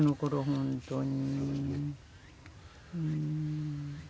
本当に。